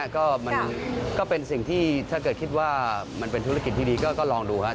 ก็มันก็เป็นสิ่งที่ถ้าเกิดคิดว่ามันเป็นธุรกิจที่ดีก็ลองดูครับ